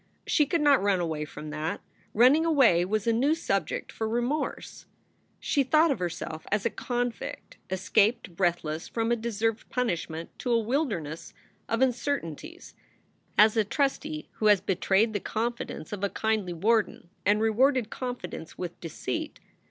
She could not run away from that. Running away was a new subject for remorse. She thought of herself as a convict escaped breathless from a deserved punishment to a wilderness of uncertainties as a trusty who has betrayed the confidence of a kindly warden and rewarded confidence with deceit.